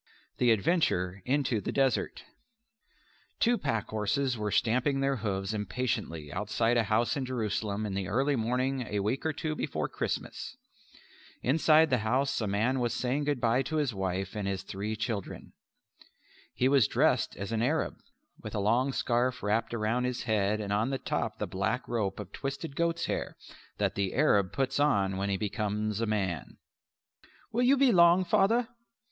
The Adventure into the Desert Two pack horses were stamping their hoofs impatiently outside a house in Jerusalem in the early morning a week or two before Christmas. Inside the house a man was saying good bye to his wife and his three children. He was dressed as an Arab, with a long scarf wrapped about his head and on the top the black rope of twisted goats' hair that the Arab puts on when he becomes a man. "Will you be long, Father?"